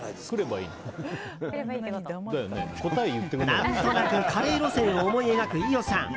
何となくカレー路線を思い描く飯尾さん。